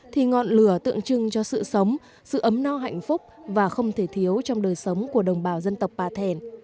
thì ngọn lửa tượng trưng cho sự sống sự ấm no hạnh phúc và không thể thiếu trong đời sống của đồng bào dân tộc bà thẻn